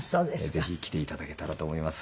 ぜひ来て頂けたらと思います。